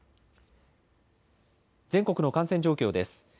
全国の感染状況です。